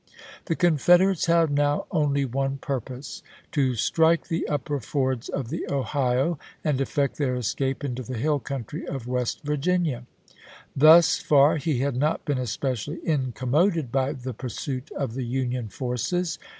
The Confederates had now only one purpose, to strike the upper fords of the Ohio and effect their escape into the hill country of West Virginia. Thus far he had not been especially incommoded by the pursuit of the Union forces.